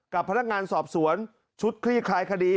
กับพนักงานสอบสวนชุดคลี่คลายคดี